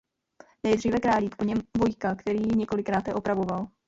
Nejdříve Králík, po něm Vojka, který ji několikráte opravoval.